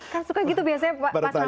kan suka gitu biasanya pak ramadhan